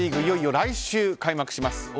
いよいよ来週開幕します。